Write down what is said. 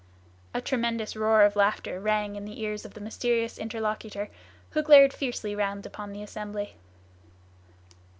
A tremendous roar of laughter rang in the ears of the mysterious interlocutor, who glared fiercely round upon the assembly.